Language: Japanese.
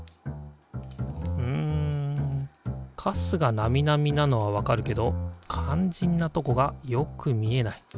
うんカスがナミナミなのはわかるけどかんじんなとこがよく見えない。